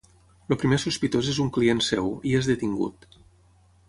El primer sospitós és un client seu, i és detingut.